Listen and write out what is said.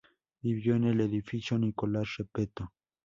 Vivió en el Edificio Nicolás Repetto.